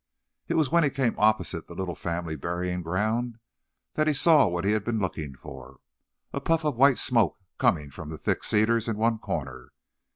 It was when he came opposite the little family burying ground that he saw what he had been looking for—a puff of white smoke, coming from the thick cedars in one corner.